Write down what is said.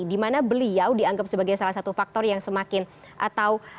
dimana beliau dianggap sebagai salah satu faktor yang semakin atau